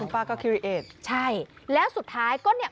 ป้าก็คิวเอกใช่แล้วสุดท้ายก็เนี่ย